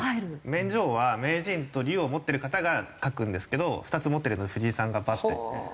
免状は名人と竜王を持ってる方が書くんですけど２つ持ってるので藤井さんがバッて並んでいる。